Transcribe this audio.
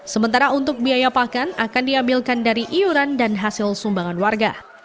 sementara untuk biaya pakan akan diambilkan dari iuran dan hasil sumbangan warga